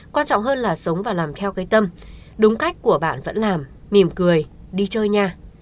quan trọng hơn là sống và làm theo cái tâm đúng cách của bạn vẫn làm mỉm cười đi chơi nhà